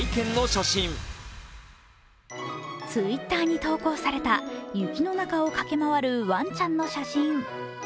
Ｔｗｉｔｔｅｒに投稿された雪の中を駆け回るワンちゃんの写真。